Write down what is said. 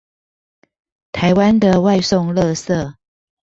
台灣的外送垃圾